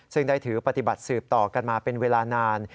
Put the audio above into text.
ซึ่งได้ถือปฏิบัติสืบต่อกันมาเป็นเวลานาน